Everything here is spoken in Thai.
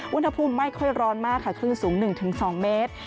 อุณหภูมิไม่ค่อยร้อนมากค่ะคลื่นสูง๑๒เมตร